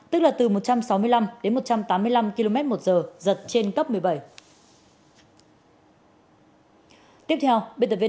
tức là từ một trăm sáu mươi năm đến một trăm tám mươi năm km một giờ giật trên cấp một mươi bảy